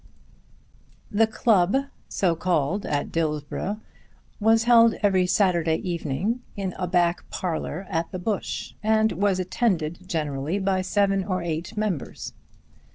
The club, so called at Dillsborough, was held every Saturday evening in a back parlour at the Bush, and was attended generally by seven or eight members.